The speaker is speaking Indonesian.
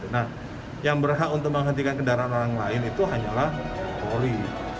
nah yang berhak untuk menghentikan kendaraan orang lain itu hanyalah polri